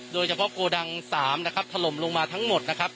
โดยเฉพาะโกดังสามนะครับถล่มลงมาทั้งหมดนะครับ